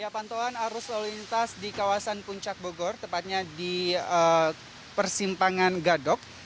pantauan arus lalu lintas di kawasan puncak bogor tepatnya di persimpangan gadok